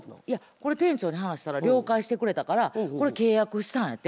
これ店長に話したら了解してくれたからこれ契約したんやて。